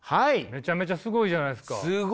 めちゃめちゃすごいじゃないですか。